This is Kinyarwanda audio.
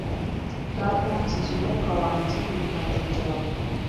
Data, nshyize umwuka wanjye mu biganza byawe."